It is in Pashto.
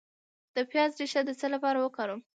د پیاز ریښه د څه لپاره وکاروم؟